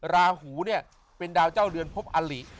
ราหูเนี่ยเป็นดาวเจ้าเดือนพบอลิ